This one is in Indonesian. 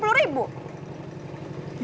ini rp sepuluh tahu nggak